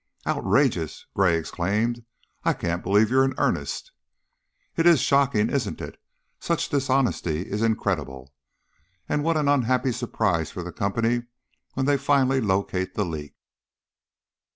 "Outrageous!" Gray exclaimed. "I can't believe you are in earnest." "It is shocking, isn't it? Such dishonesty is incredible. And what an unhappy surprise for the company when they finally locate the leak!"